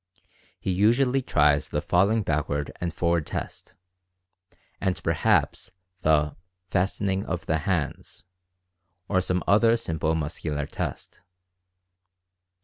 He usually tries the "falling backward and forward test," and perhaps the "fastening of the hands," or some other simple muscular test.